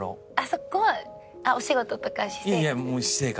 そこはお仕事とか私生活？